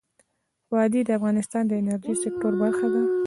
وادي د افغانستان د انرژۍ سکتور برخه ده.